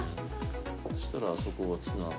そしたらあそこをツナぐ。